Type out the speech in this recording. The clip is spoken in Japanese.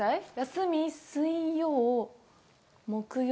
休み、水曜、木曜。